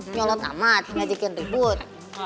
nyolot amat ngajakin ribut